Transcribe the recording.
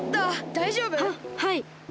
だいじょうぶ？ははい。